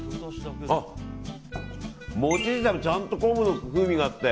餅ですけどちゃんと昆布の風味があって。